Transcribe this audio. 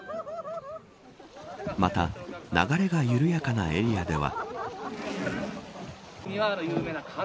また、流れが緩やかなエリアでは。